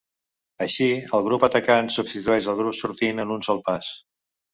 Així, el grup atacant substitueix el grup sortint en un sol pas.